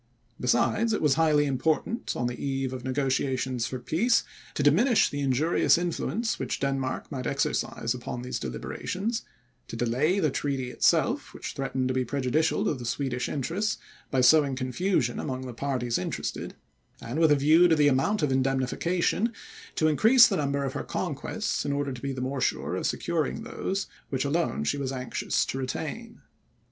Besides, it was highly important, on the eve of negotiations for peace, to diminish the injurious influence which Denmark might exercise upon these deliberations, to delay the treaty itself, which threatened to be prejudicial to the Swedish interests, by sowing confusion among the parties interested, and with a view to the amount of indemnification, to increase the number of her conquests, in order to be the more sure of securing those which alone she was anxious to retain.